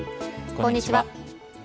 こんにちは。